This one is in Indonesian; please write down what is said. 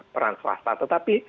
peran swasta tetapi